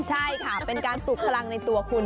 ใช่ค่ะเป็นการปลุกพลังในตัวคุณ